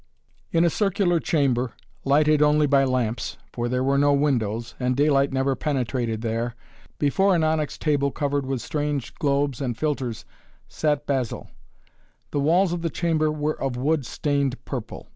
In a circular chamber lighted only by lamps, for there were no windows, and daylight never penetrated there, before an onyx table covered with strange globes and philtres, sat Basil. The walls of the chamber were of wood stained purple.